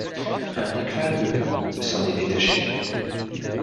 Un éclat de s'en est détaché.